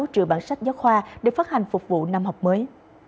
một mươi một sáu triệu bản sách giáo khoa để phát hành phục vụ năm học mới